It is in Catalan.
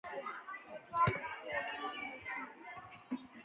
Com ho va evitar?